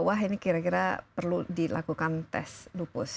wah ini kira kira perlu dilakukan tes lupus